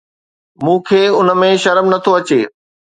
مون کي ان ۾ شرم نه ٿو اچي